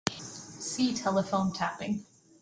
See Telephone tapping.